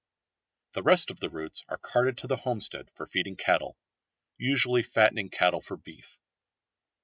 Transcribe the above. The rest of the roots are carted to the homestead for feeding cattle, usually fattening cattle for beef.